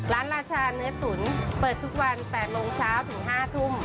ราชาเนื้อตุ๋นเปิดทุกวัน๘โมงเช้าถึง๕ทุ่ม